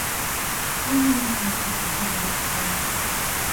ข้อมูลข่าวสารส่วนบุคคล